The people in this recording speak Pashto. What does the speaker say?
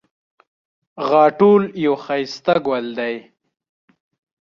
خاټول یو ښایسته ګل دی